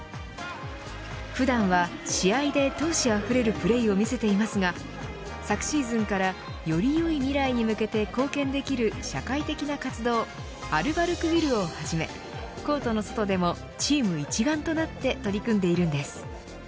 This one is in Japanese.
普段は試合で闘志あふれるプレーを見せていますが昨シーズンからより良い未来に向けて貢献できる社会的な活動アルバルク・ウィルをはじめコートの外でもチーム一丸となって取り組んでいるんです。